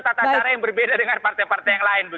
tata cara yang berbeda dengan partai partai yang lain